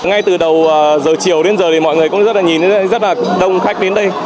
ngay từ đầu giờ chiều đến giờ thì mọi người cũng nhìn thấy rất là đông khách đến đây